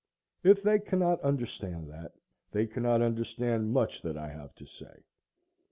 If they cannot understand that, they cannot understand much that I have to say.